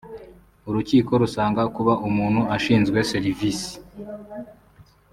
urukiko rusanga kuba umuntu ashinzwe serivisi